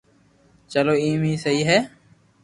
چلو ايم اي سھي ھي